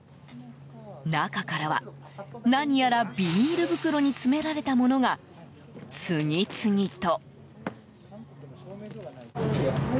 中からは、何やらビニール袋に詰められたものが次々と。